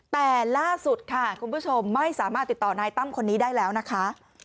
แต่ล่าสุดค่ะคุณผู้ชมไม่สามารถติดต่อนายตั้มคนนี้ได้แล้วนะคะ